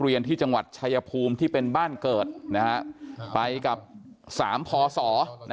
เรียนที่จังหวัดชายภูมิที่เป็นบ้านเกิดนะฮะไปกับ๓พศ